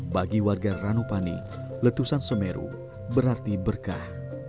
bagi warga ranupane letusan semeru berarti berkah